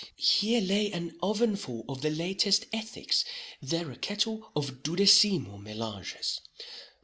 Here lay an ovenful of the latest ethics—there a kettle of dudecimo mélanges.